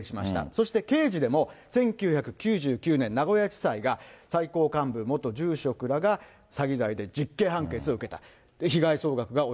そして刑事でも、１９９９年、名古屋地裁が、最高幹部元住職らが詐欺罪で実刑判決を受けた。